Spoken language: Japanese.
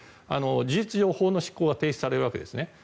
事実上、法の執行が停止されるわけですね。